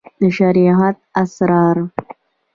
د شريعت اسرار